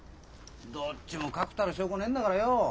どっちも確たる証拠ねえんだからよ。